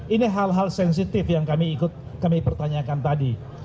ini hal hal sensitif yang kami pertanyakan tadi